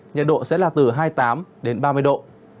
nhiệt độ sẽ là từ hai mươi tám đến ba mươi độ